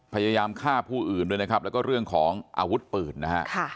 พยายามฆ่าผู้อื่นด้วยนะครับแล้วก็เรื่องของอาวุธปืนนะฮะ